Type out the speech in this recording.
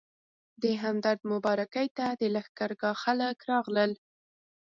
د همدرد مبارکۍ ته د لښکرګاه خلک راغلل.